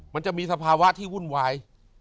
มันจะมีสภาวะที่วุ่นวาย